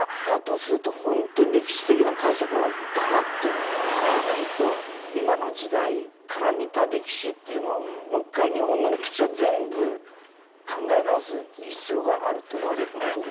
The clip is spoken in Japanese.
だとすると本当に歴史的な解釈をガラッと変えないと今の時代から見た歴史っていうのをもう一回日本の歴史を全部考え直す必要があるということですよね。